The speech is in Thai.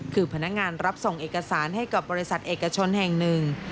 คือพนักงานรับส่งเอกสารให้กับบริษัทเอกชนแห่งหนึ่ง